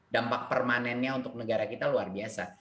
dampak permanennya untuk negara kita luar biasa